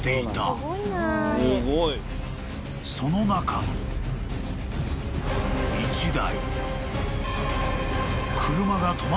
［その中の１台］